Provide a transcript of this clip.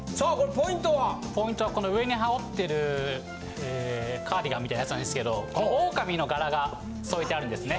ポイントはこの上に羽織ってるカーディガンみたいなやつなんですけど狼の柄が添えてあるんですね。